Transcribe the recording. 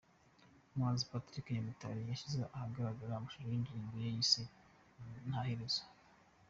Umuhanzi Patrick Nyamitari yashize ahagaragara amashusho y’indirimbo ye yise Ntaherezo.